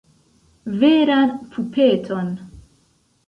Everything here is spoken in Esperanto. Veran pupeton.